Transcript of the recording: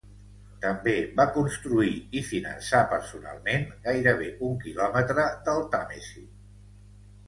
També va construir i finançar personalment gairebé un quilòmetre del Tàmesi.